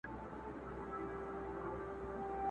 o کاڼی به پوست نه سي، دښمن به دوست نه سي٫